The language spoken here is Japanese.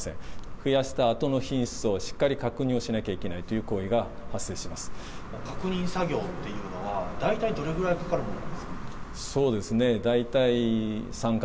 増やしたあとの品質をしっかり確認をしなきゃいけないという行為確認作業っていうのは、大体どれぐらいかかるもんなんですか？